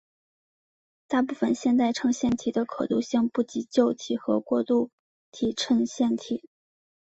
大部分现代衬线体的可读性不及旧体和过渡体衬线体。